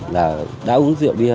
là đã uống rượu bia